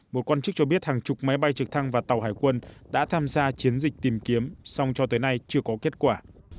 một quan chức cho biết hàng chục máy bay trực thăng và tàu hải quân đã tham gia chiến dịch tìm kiếm song cho tới nay chưa có kết quả